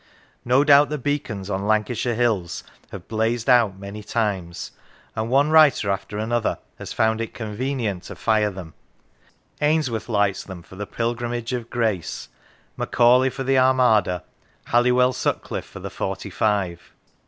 No doubt the beacons on Lancashire hills have blazed out many times, and one writer after another has found it convenient to fire 73 K Lancashire them. Ainsworth lights them for the Pilgrimage of Grace, Macaulay for the Armada, Halliwell Sutcliffe for the Forty five.